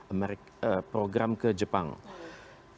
kemudian pak prabowo punya pengalaman dalam menangani berbagai kedatangan